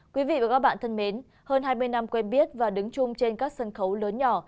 quý vị và các bạn thân mến hơn hai mươi năm quen biết và đứng chung trên các sân khấu lớn nhỏ